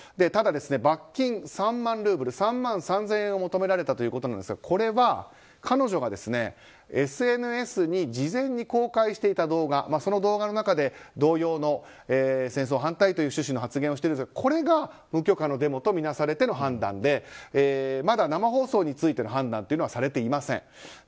ただ、罰金３万ルーブル３万３０００円を求められたということですがこれは彼女がＳＮＳに事前に公開していた動画その動画の中で同様の戦争反対という趣旨の発言をしてるんですがこれが無許可のデモとみなされての判断でまだ生放送についての判断はされていません。